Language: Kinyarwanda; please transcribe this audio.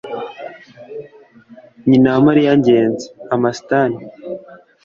nyina wa mariya ngenzi? (amastan